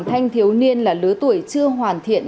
thanh thiếu niên là lứa tuổi chưa hoàn thiện